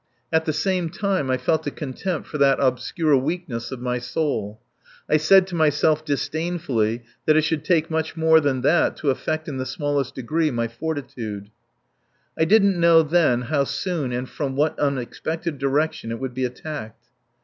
At the same time, I felt a contempt for that obscure weakness of my soul. I said to myself disdainfully that it should take much more than that to affect in the smallest degree my fortitude. I didn't know then how soon and from what unexpected direction it would be attacked.